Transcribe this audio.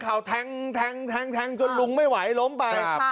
เพราะแท็งข่าวแท็งจนลุ้งไม่ไหวล้มไป